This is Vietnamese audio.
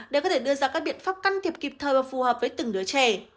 để có thể đưa ra các biện pháp can thiệp kịp thời và phù hợp với từng đứa trẻ